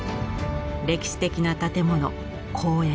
歴史的な建物公園